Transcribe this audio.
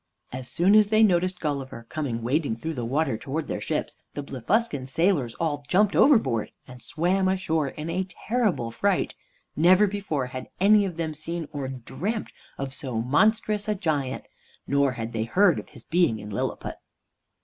As soon as they noticed Gulliver coming wading through the water towards their ships, the Blefuscan sailors all jumped overboard and swam ashore in a terrible fright. Never before had any of them seen or dreamt of so monstrous a giant, nor had they heard of his being in Lilliput.